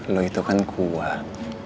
lo itu kan kuat